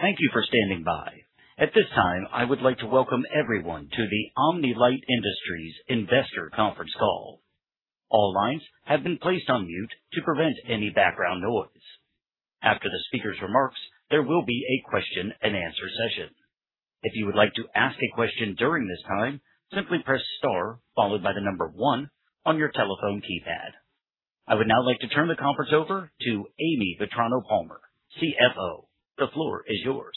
Thank you for standing by. At this time, I would like to welcome everyone to the Omni-Lite Industries Investor Conference Call. All lines have been placed on mute to prevent any background noise. After the speaker's remarks, there will be a question-and-answer session. If you would like to ask a question during this time, simply press star followed by the number one on your telephone keypad. I would now like to turn the conference over to Amy Vetrano-Palmer, CFO. The floor is yours.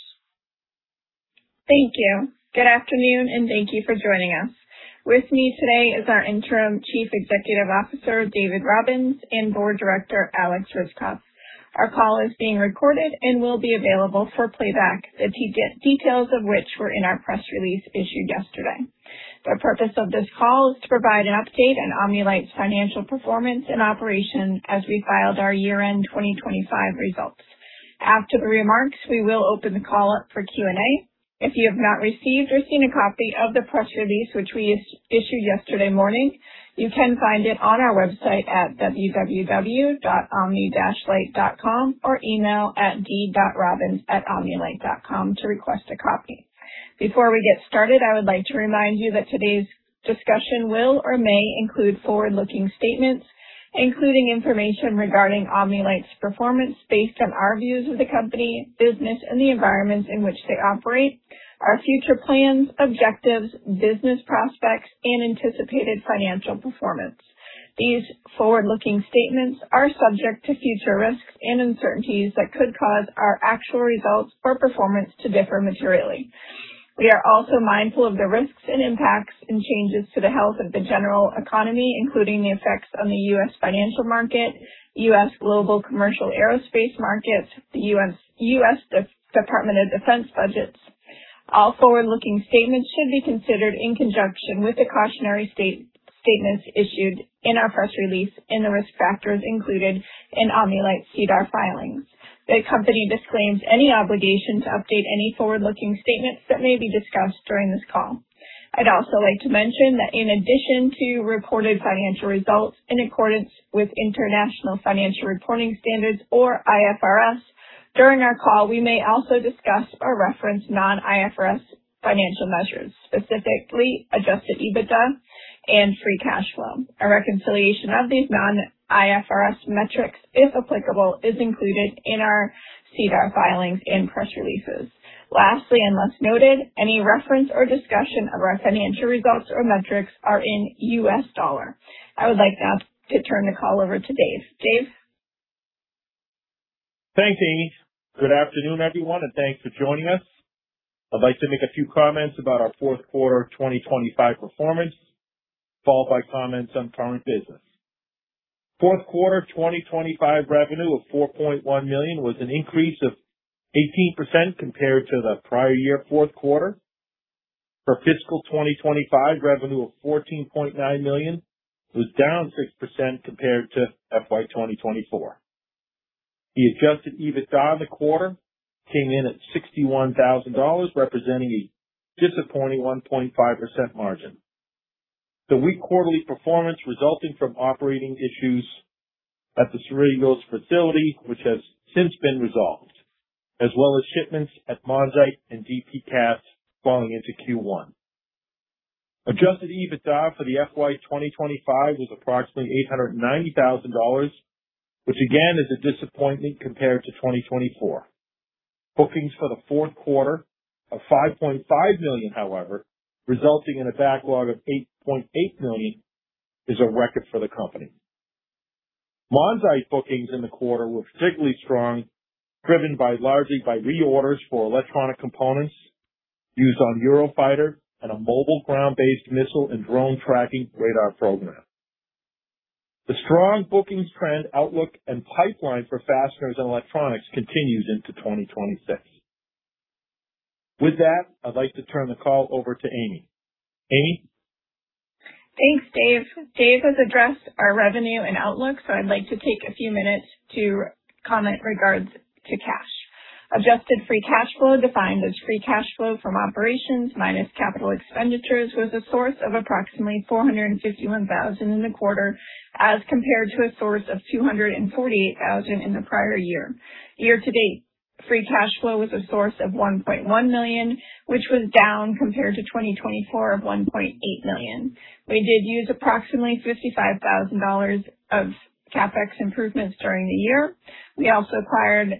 Thank you. Good afternoon, and thank you for joining us. With me today is our Interim Chief Executive Officer, David Robbins, and Board Director, Alex Ryzhikov. Our call is being recorded and will be available for playback, the details of which were in our press release issued yesterday. The purpose of this call is to provide an update on Omni-Lite's financial performance and operation as we filed our year-end 2025 results. After the remarks, we will open the call up for Q&A. If you have not received or seen a copy of the press release which we issued yesterday morning, you can find it on our website at www.omni-lite.com or email at d.robbins@omni-lite.com to request a copy. Before we get started, I would like to remind you that today's discussion will or may include forward-looking statements, including information regarding Omni-Lite's performance based on our views of the company, business, and the environments in which they operate, our future plans, objectives, business prospects, and anticipated financial performance. These forward-looking statements are subject to future risks and uncertainties that could cause our actual results or performance to differ materially. We are also mindful of the risks and impacts and changes to the health of the general economy, including the effects on the U.S. financial market, U.S. global commercial aerospace markets, the U.S. Department of Defense budgets. All forward-looking statements should be considered in conjunction with the cautionary statements issued in our press release and the risk factors included in Omni-Lite's SEDAR filings. The company disclaims any obligation to update any forward-looking statements that may be discussed during this call. I would also like to mention that in addition to reported financial results in accordance with International Financial Reporting Standards or IFRS during our call, we may also discuss or reference non-IFRS financial measures, specifically adjusted EBITDA and free cash flow. A reconciliation of these non-IFRS metrics, if applicable, is included in our SEDAR filings and press releases. Lastly, unless noted, any reference or discussion of our financial results or metrics are in U.S. dollar. I would like now to turn the call over to Dave. Dave? Thanks, Amy. Good afternoon, everyone, and thanks for joining us. I'd like to make a few comments about our fourth quarter of 2025 performance, followed by comments on current business. Fourth quarter of 2025 revenue of 4.1 million was an increase of 18% compared to the prior year fourth quarter. For fiscal 2025, revenue of 14.9 million was down 6% compared to FY 2024. The adjusted EBITDA in the quarter came in at 61,000 dollars, representing a disappointing 1.5% margin. The weak quarterly performance resulting from operating issues at the Cerritos facility, which has since been resolved, as well as shipments at Monzite and DP Cast falling into Q1. Adjusted EBITDA for the FY 2025 was approximately 890,000 dollars, which again is a disappointment compared to 2024. Bookings for the fourth quarter of 5.5 million, however, resulting in a backlog of 8.8 million, is a record for the company. Monzite bookings in the quarter were particularly strong, driven by largely by reorders for electronic components used on Eurofighter and a mobile ground-based missile and drone tracking radar program. The strong bookings trend outlook and pipeline for fasteners and electronics continues into 2026. With that, I'd like to turn the call over to Amy. Amy? Thanks, Dave. Dave has addressed our revenue and outlook, I'd like to take a few minutes to comment regards to cash. Adjusted free cash flow, defined as free cash flow from operations minus capital expenditures, was a source of approximately 451,000 in the quarter as compared to a source of 248,000 in the prior year. Year to date, free cash flow was a source of 1.1 million, which was down compared to 2024 of 1.8 million. We did use approximately 55,000 dollars of CapEx improvements during the year. We also acquired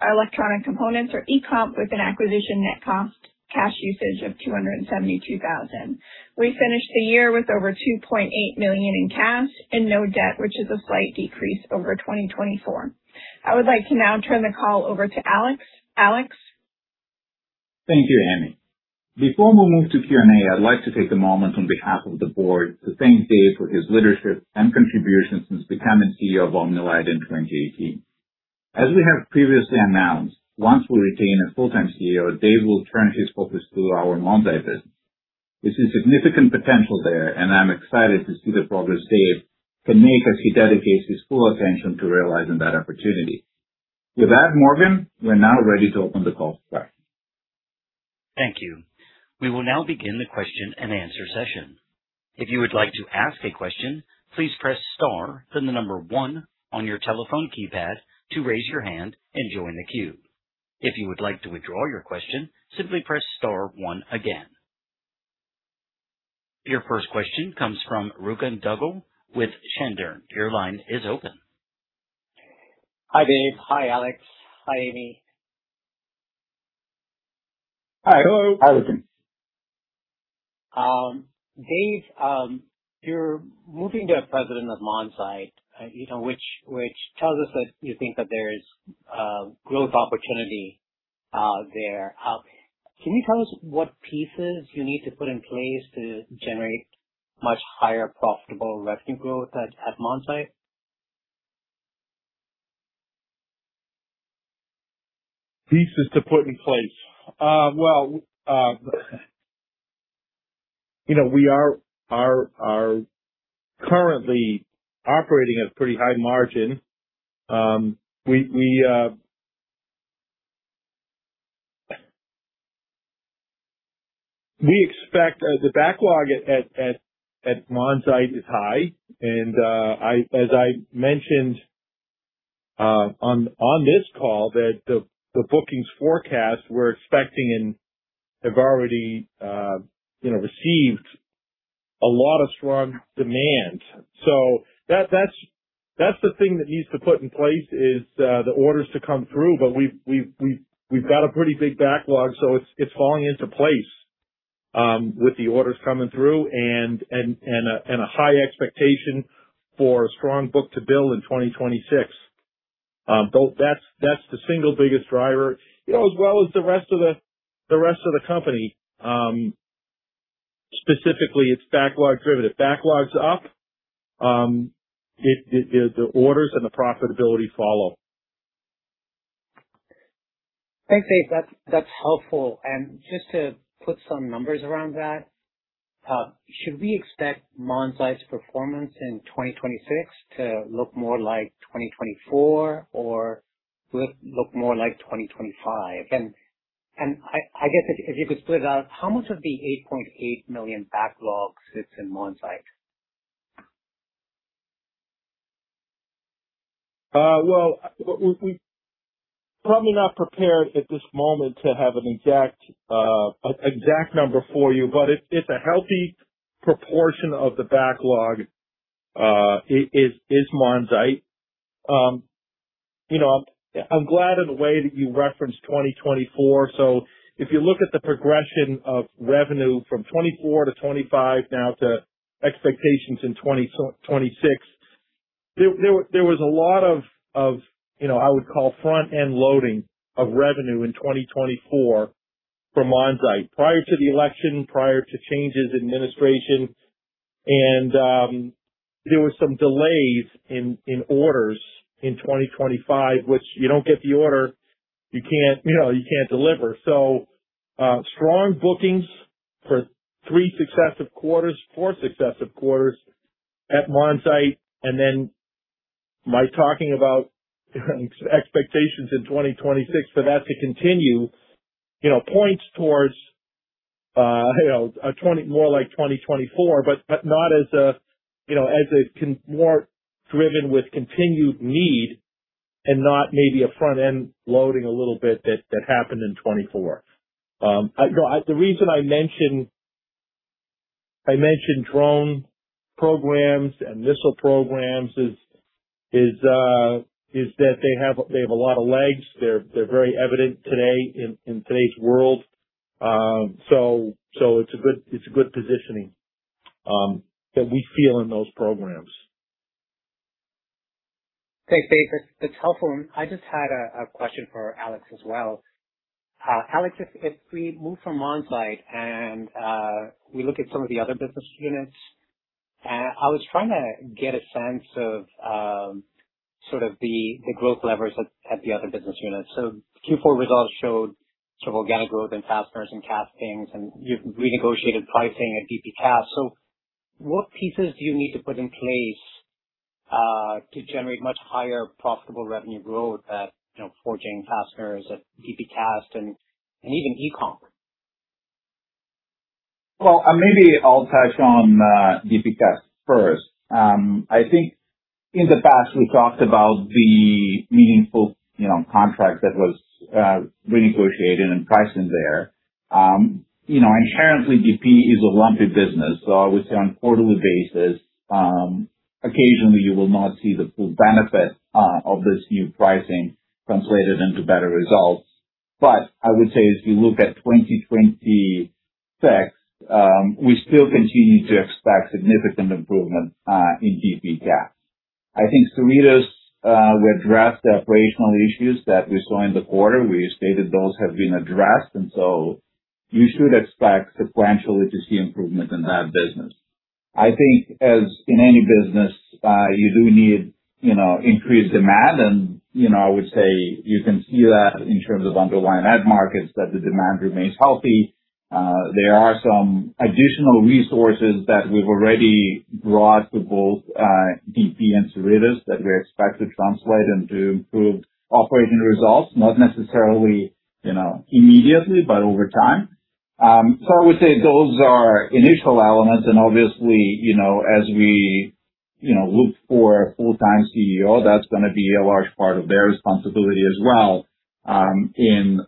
Electronic Components or eComp with an acquisition net cost cash usage of 272,000. We finished the year with over 2.8 million in cash and no debt, which is a slight decrease over 2024. I would like to now turn the call over to Alex. Alex? Thank you, Amy. Before we move to Q&A, I'd like to take a moment on behalf of the board to thank Dave for his leadership and contributions since becoming CEO of Omni-Lite in 2018. As we have previously announced, once we retain a full-time CEO, Dave will turn his focus to our Monzite business. There's a significant potential there, and I'm excited to see the progress Dave can make as he dedicates his full attention to realizing that opportunity. With that, Morgan, we're now ready to open the call for questions. Thank you. We will now begin the question and answer session. If you would like to ask a question, please press star, then the number one on your telephone keypad to raise your hand and join the queue. If you would like to withdraw your question, simply press star one again. Your first question comes from Rukun Duggal with Chandern. Your line is open. Hi, Dave. Hi, Alex. Hi, Amy. Hi, Rukun. Dave, you're moving to a president of Monzite, you know, which tells us that you think that there is growth opportunity there. Can you tell us what pieces you need to put in place to generate much higher profitable revenue growth at Monzite? Pieces to put in place. You know, we are currently operating at a pretty high margin. We expect the backlog at Monzite is high. I, as I mentioned on this call that the bookings forecast we're expecting and have already, you know, received a lot of strong demand. That's the thing that needs to put in place is the orders to come through, but we've got a pretty big backlog, so it's falling into place with the orders coming through and a high expectation for strong book to bill in 2026. Though that's the single biggest driver, you know, as well as the rest of the company. Specifically, it's backlog driven. If backlog's up, the orders and the profitability follow. Thanks, Dave. That's helpful. Just to put some numbers around that, should we expect Monzite's performance in 2026 to look more like 2024 or will it look more like 2025? I guess if you could split it out, how much of the 8.8 million backlog sits in Monzite? Well, we're probably not prepared at this moment to have an exact number for you, but it's a healthy proportion of the backlog is Monzite. You know, I'm glad of the way that you referenced 2024. If you look at the progression of revenue from 2024 to 2025 now to expectations in 2026, there was a lot of, you know, I would call front-end loading of revenue in 2024 from Monzite. Prior to the election, prior to changes in administration. There were some delays in orders in 2025, which you don't get the order, you can't, you know, you can't deliver. Strong bookings for three successive quarters, four successive quarters at Monzite, my talking about expectations in 2026 for that to continue, you know, points towards, you know, more like 2024, but not as a more driven with continued need and not maybe a front-end loading a little bit that happened in 2024. You know, the reason I mentioned drone programs and missile programs is that they have a lot of legs. They're very evident today in today's world. It's a good positioning that we feel in those programs. Thanks, Dave. That's helpful. I just had a question for Alex as well. Alex, if we move from Monzite and we look at some of the other business units, I was trying to get a sense of sort of the growth levers at the other business units. Q4 results showed sort of organic growth in fasteners and castings, and you've renegotiated pricing at DP Cast. What pieces do you need to put in place to generate much higher profitable revenue growth at, you know, forging fasteners at DP Cast and even eComp? Maybe I'll touch on DP Cast first. I think in the past, we talked about the meaningful, you know, contract that was renegotiated and priced in there. You know, inherently, DP is a lumpy business. I would say on quarterly basis, occasionally you will not see the full benefit of this new pricing translated into better results. I would say as we look at 2026, we still continue to expect significant improvement in DP Cast. I think Cerritos, we addressed the operational issues that we saw in the quarter. We stated those have been addressed, you should expect sequentially to see improvement in that business. I think as in any business, you do need, you know, increased demand and, you know, I would say you can see that in terms of underlying end markets, that the demand remains healthy. There are some additional resources that we've already brought to both DP and Cerritos that we expect to translate into improved operating results. Not necessarily, you know, immediately, but over time. I would say those are initial elements. Obviously, you know, as we, you know, look for a full-time CEO, that's gonna be a large part of their responsibility as well, in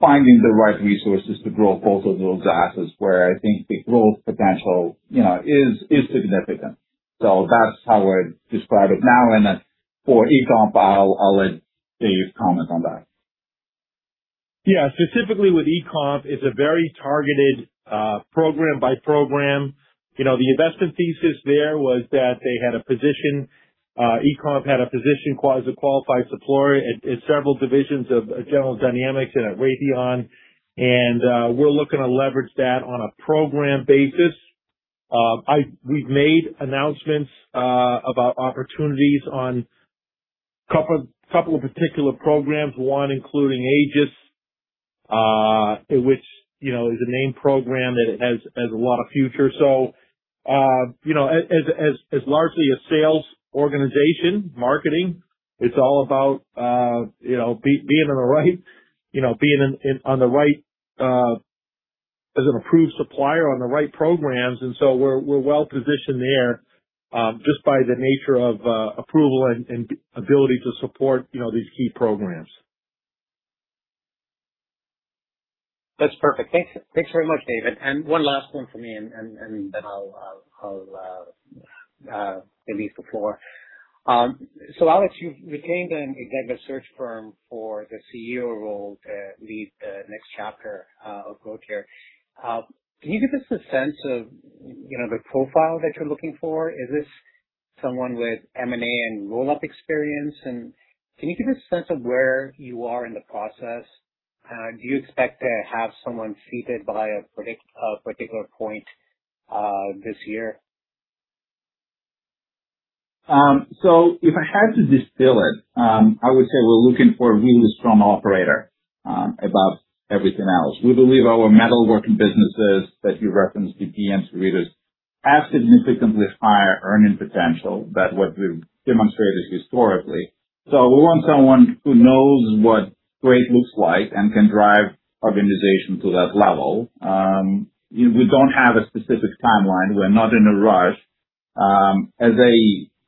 finding the right resources to grow both of those assets where I think the growth potential, you know, is significant. That's how I'd describe it now, and then for eComp, I'll let Dave comment on that. Yeah. Specifically with eComp, it's a very targeted, program by program. You know, the investment thesis there was that they had a position, eComp had a position, quasi-qualified supplier at several divisions of General Dynamics and at Raytheon. We're looking to leverage that on a program basis. We've made announcements about opportunities on couple of particular programs, one including Aegis, which, you know, is a named program that has a lot of future. You know, as largely a sales organization, marketing, it's all about being in the right, you know, being on the right, as an approved supplier on the right programs. We're well-positioned there, just by the nature of approval and ability to support, you know, these key programs. That's perfect. Thanks very much, David. One last one for me, and then I'll leave the floor. Alex, you've retained an executive search firm for the CEO role to lead the next chapter of growth here. Can you give us a sense of, you know, the profile that you're looking for? Is this someone with M&A and roll-up experience? Can you give a sense of where you are in the process? Do you expect to have someone seated by a particular point this year? If I had to distill it, I would say we're looking for a really strong operator above everything else. We believe our metal working businesses that you referenced in DP and Cerritos have significantly higher earning potential than what we've demonstrated historically. We want someone who knows what great looks like and can drive organization to that level. You know, we don't have a specific timeline. We're not in a rush. As I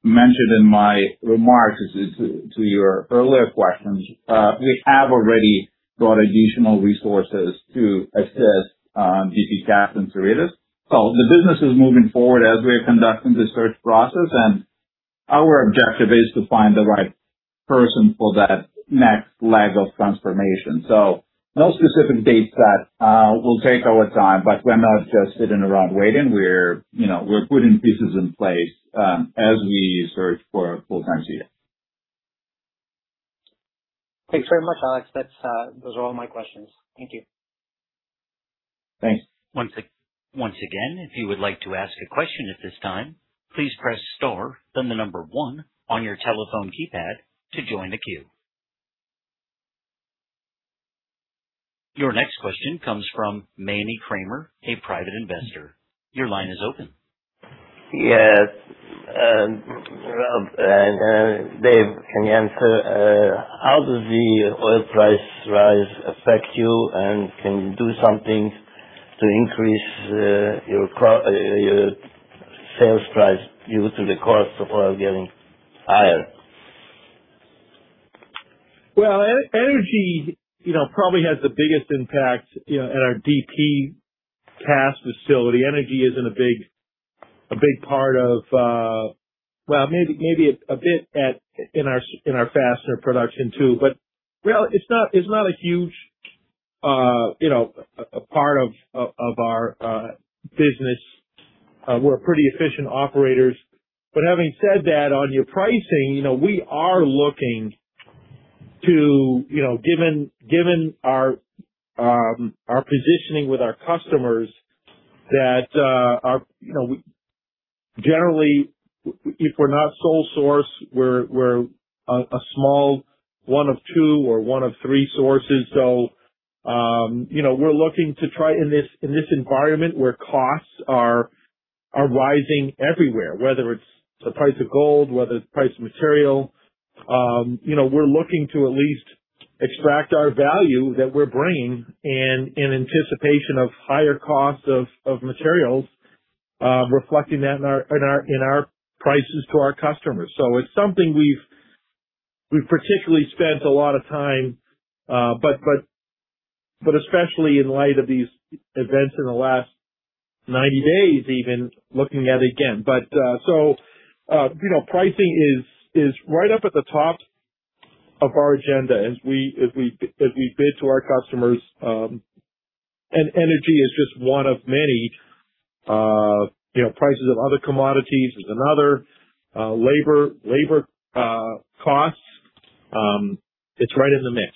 mentioned in my remarks to your earlier questions, we have already brought additional resources to assist DP Cast and Cerritos. The business is moving forward as we're conducting the search process, and our objective is to find the right person for that next leg of transformation. No specific dates set, we'll take our time, but we're not just sitting around waiting. We're, you know, we're putting pieces in place, as we search for a full-time CEO. Thanks very much, Alex. Those are all my questions. Thank you. Thanks. Your next question comes from Emmanuel Kramer, a private investor. Your line is open. Yes. Rob and Dave, can you answer how does the oil price rise affect you? Can you do something to increase your sales price due to the cost of oil getting higher? Well, energy, you know, probably has the biggest impact, you know, at our DP Cast facility. Energy isn't a big part of. Well, maybe a bit at in our fastener production too. Well, it's not a huge, you know, a part of our business. We're pretty efficient operators. Having said that, on your pricing, you know, we are looking to, you know, given our positioning with our customers that. You know, generally, if we're not sole source, we're a small one of two or one of three sources. You know, we're looking to try in this, in this environment where costs are rising everywhere, whether it's the price of gold, whether it's the price of material, you know, we're looking to at least extract our value that we're bringing in anticipation of higher costs of materials, reflecting that in our, in our, in our prices to our customers. It's something we've particularly spent a lot of time, but especially in light of these events in the last 90 days even looking at again. You know, pricing is right up at the top of our agenda as we bid to our customers. Energy is just one of many. You know, prices of other commodities is another. Labor costs, it's right in the mix.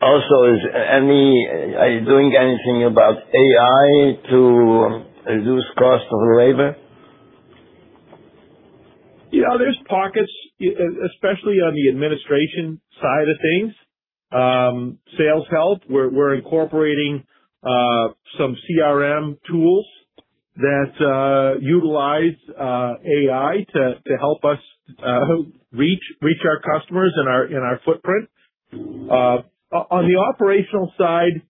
Also, Are you doing anything about AI to reduce cost of labor? You know, there's pockets, especially on the administration side of things. Sales help. We're incorporating some CRM tools that utilize AI to help us reach our customers in our footprint. On the operational side,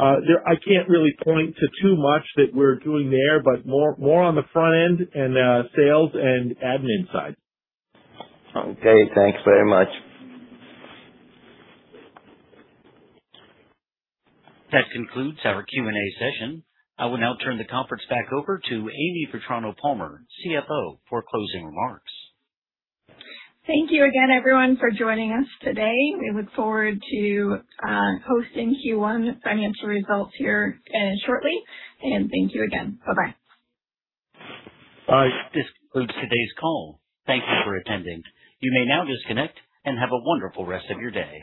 I can't really point to too much that we're doing there, but more on the front end and sales and admin side. Okay. Thanks very much. That concludes our Q&A session. I will now turn the conference back over to Amy Vetrano-Palmer, CFO, for closing remarks. Thank you again, everyone, for joining us today. We look forward to posting Q1 financial results here shortly. Thank you again. Bye-bye. This concludes today's call. Thank you for attending. You may now disconnect and have a wonderful rest of your day.